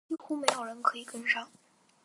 几乎没有人可以跟上